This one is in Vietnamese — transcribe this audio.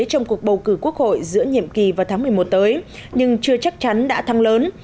trong cuộc bầu cử quốc hội giữa nhiệm kỳ vào tháng một mươi một tới nhưng chưa chắc chắn đã thăng lớn